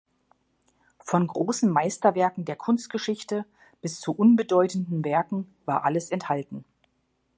Von großen Meisterwerken der Kunstgeschichte bis zu unbedeutenden Werken war alles enthalten.